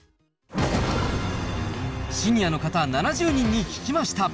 シニアの方７０人に聞きました。